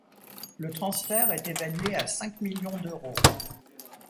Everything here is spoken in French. Le transfert est évalué à cinq millions d'euros.